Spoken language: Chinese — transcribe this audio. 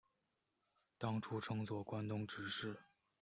当初称作关东执事。